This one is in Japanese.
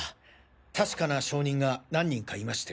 確かな証人が何人かいまして。